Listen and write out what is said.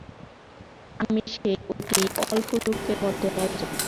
আমি সেই অতি অল্প লোকের মধ্যে একজন।